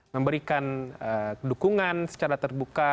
memberikan dukungan secara terbuka